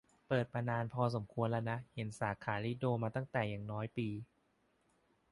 เปิดมานานพอควรแล้วนะ เห็นสาขาลิโดมาตั้งแต่อย่างน้อยปี